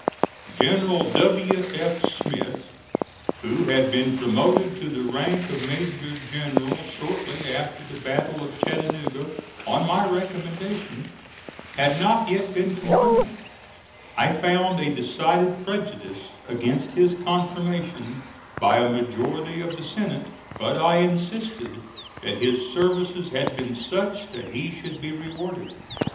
General W. F. Smith, who had been promoted to the rank of major general shortly after the battle of Chattanooga on my recommendation, had not yet been confirmed. I found a decided prejudice against his confirmation by a majority of the Senate, but I insisted that his services had been such that he should be rewarded.